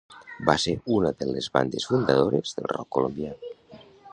Van ser una de les bandes fundadores del rock colombià.